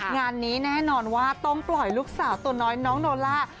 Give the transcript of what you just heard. งานนี้แน่นอนว่าต้องปล่อยลูกสาวตัวน้อยน้องโนล่า